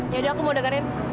ya udah aku mau dengerin